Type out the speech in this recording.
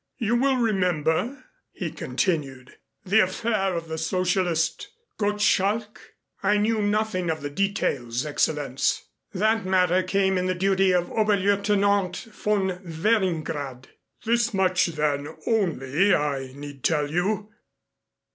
"You will remember," he continued, "the affair of the Socialist, Gottschalk?" "I knew nothing of the details, Excellenz. That matter came in the duty of Oberleutnant von Weringrade." "This much then, only, I need tell you.